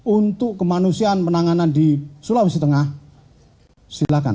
untuk kemanusiaan penanganan di sulawesi tengah silakan